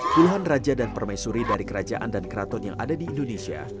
puluhan raja dan permaisuri dari kerajaan dan keraton yang ada di indonesia